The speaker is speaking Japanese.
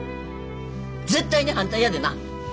絶対に反対やでな！